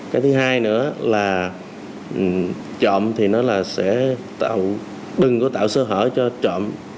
cái thứ hai nữa là trộm đừng có tạo sơ hở cho trộm